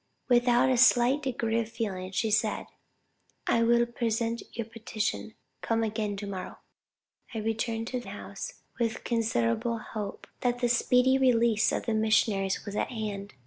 With a slight degree of feeling, she said, 'I will present your petition; come again to morrow. I returned to the house, with considerable hope that the speedy release of the missionaries was at hand.